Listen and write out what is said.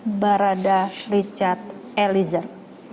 sama barada richard eliger